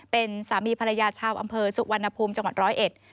เป็นสามีภรรยาชาวอำเภอสุวรรณภูมิจังหวัดร้อยเอ็ด